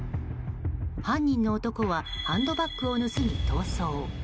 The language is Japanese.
犯人の男はハンドバッグを盗み、逃走。